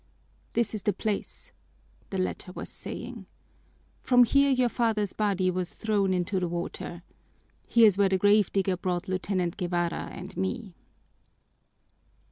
"This is the place," the latter was saying. "From here your father's body was thrown into the water. Here's where the grave digger brought Lieutenant Guevara and me."